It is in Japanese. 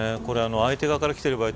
相手側から来ている場合